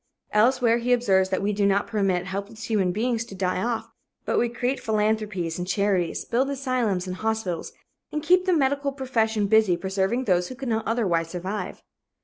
Elsewhere he observes that we do not permit helpless human beings to die off, but we create philanthropies and charities, build asylums and hospitals and keep the medical profession busy preserving those who could not otherwise survive.